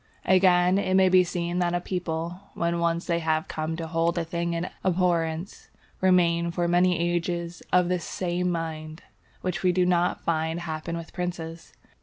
Again, it may be seen that a people, when once they have come to hold a thing in abhorrence, remain for many ages of the same mind; which we do not find happen with princes.